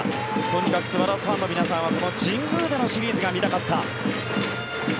とにかくスワローズファンの皆さんはこの神宮でのシリーズが見たかった。